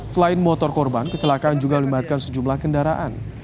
selain motor korban kecelakaan juga melibatkan sejumlah kendaraan